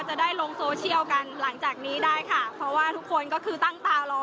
จะได้ลงโซเชียลกันหลังจากนี้ได้ค่ะเพราะว่าทุกคนก็คือตั้งตารอ